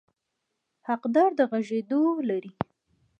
حقداره د غږېدو لري.